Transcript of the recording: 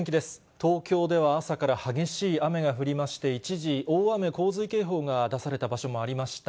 東京では朝から激しい雨が降りまして、一時、大雨洪水警報が出された場所もありました。